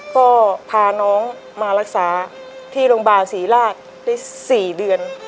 ก็พาน้องมารักษาที่โรงพยาบาลศรีราชได้๔เดือน